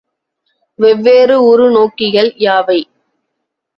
வெவ்வேறு உரு நோக்கிகள் யாவை?